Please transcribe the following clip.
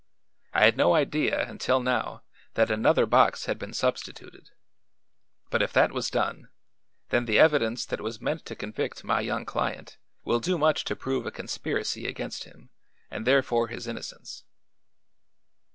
I had no idea, until now, that another box had been substituted; but if that was done, then the evidence that was meant to convict my young client will do much to prove a conspiracy against him and therefore his innocence."